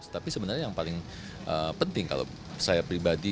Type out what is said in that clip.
tapi sebenarnya yang paling penting kalau saya pribadi